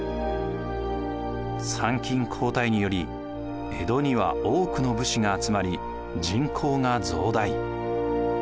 参勤交代により江戸には多くの武士が集まり人口が増大。